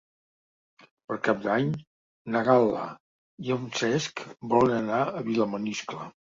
Per Cap d'Any na Gal·la i en Cesc volen anar a Vilamaniscle.